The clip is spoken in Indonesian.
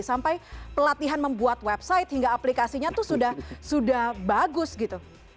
sampai pelatihan membuat website hingga aplikasinya itu sudah bagus gitu